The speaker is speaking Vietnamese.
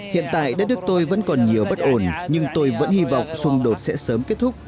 hiện tại đất nước tôi vẫn còn nhiều bất ổn nhưng tôi vẫn hy vọng xung đột sẽ sớm kết thúc